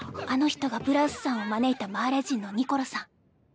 あの人がブラウスさんを招いたマーレ人のニコロさん。